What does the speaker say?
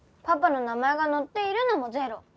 パパの名前が載っているのもゼロ。